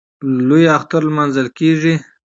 لوی اختر نماځل کېږي.